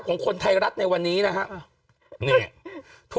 กล้องกว้างอย่างเดียว